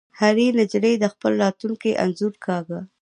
هرې نجلۍ د خپل راتلونکي انځور کاږه